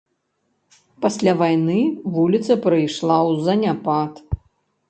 Пасля вайны вуліца прыйшла ў заняпад.